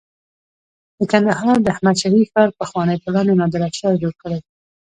د کندهار د احمد شاهي ښار پخوانی پلان د نادر افشار جوړ کړی